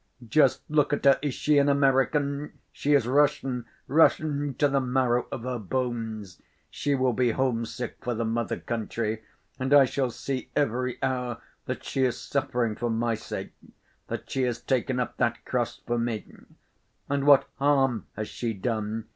Just look at her; is she an American? She is Russian, Russian to the marrow of her bones; she will be homesick for the mother country, and I shall see every hour that she is suffering for my sake, that she has taken up that cross for me. And what harm has she done?